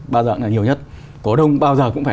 bao giờ là nhiều nhất cổ đông bao giờ cũng phải